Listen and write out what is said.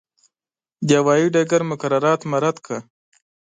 د هوایي ډګر مقررات مراعات کړه.